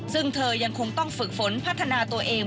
ซึ่งเธอยังคงต้องฝึกฝนพัฒนาตัวเอง